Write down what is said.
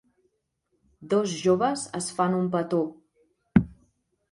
Dos joves es fan un petó.